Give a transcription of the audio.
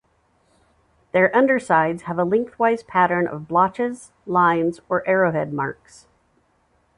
Their undersides have a lengthwise pattern of blotches, lines, or arrowhead marks.